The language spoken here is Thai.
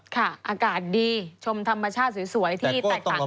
ค่ะอากาศดีชมธรรมชาติสวยที่แตกต่างกันไป